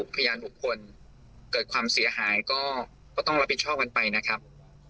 พยานบุคคลเกิดความเสียหายก็ต้องรับผิดชอบกันไปนะครับ